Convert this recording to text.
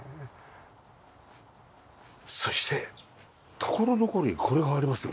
そして所々にこれがありますよね。